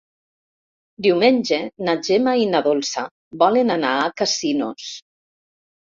Diumenge na Gemma i na Dolça volen anar a Casinos.